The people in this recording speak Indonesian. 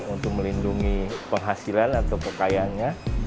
untuk melindungi penghasilan atau kekayaannya